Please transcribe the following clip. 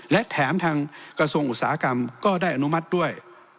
และแถมทางกระทรวงอุตสาหกรรมก็ได้อนุมัติด้วย